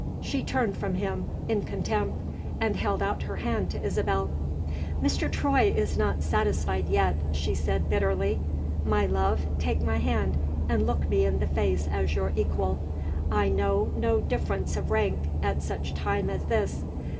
She turned from him, in contempt, and held out her hand to Isabel. "Mr. Troy is not satisfied yet," she said bitterly. "My love, take my hand, and look me in the face as your equal; I know no difference of rank at such a time as this.